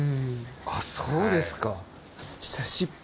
あっそうですか。